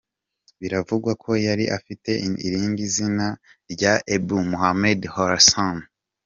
Biravugwa ko yari afite irindi zina rya Ebu Muhammed Horasani.